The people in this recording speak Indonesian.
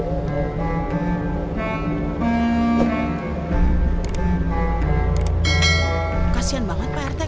kasian banget pak retta